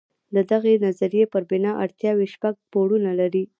د دغې نظریې پر بنا اړتیاوې شپږ پوړونه لري.